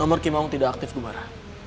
nomor kim aung tidak aktif gua mara